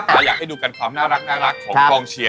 อยากให้ดูกันความน่ารักของกองเชียร์